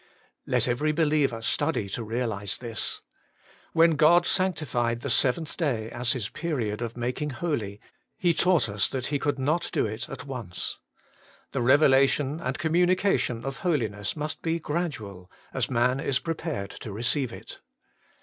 Let every believer study to realize this. When God sanctified the seventh day as His period of making holy, He taught us that He could not do it at once. The revelation and communication of holiness must be gradual, as man is prepared to receive it.